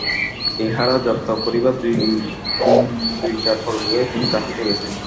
ইঁহারা যাত্রা করিবার দিন-দুইচার পূর্বেই তিনি কাশীতে গেছেন।